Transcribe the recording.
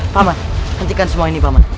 paman hentikan semua ini paman